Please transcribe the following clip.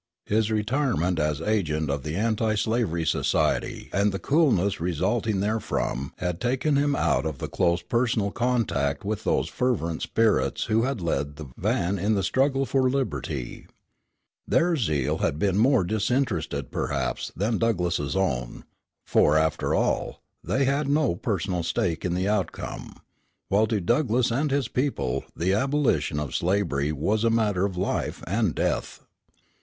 His retirement as agent of the Anti slavery Society and the coolness resulting therefrom had taken him out of the close personal contact with those fervent spirits who had led the van in the struggle for liberty. Their zeal had been more disinterested, perhaps, than Douglass's own; for, after all, they had no personal stake in the outcome, while to Douglass and his people the abolition of slavery was a matter of life and death.